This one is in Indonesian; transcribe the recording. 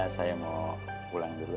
saya mau pulang dulu